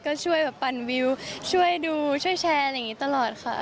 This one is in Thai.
ก็ช่วยแบบปั่นวิวช่วยดูช่วยแชร์อะไรอย่างนี้ตลอดค่ะ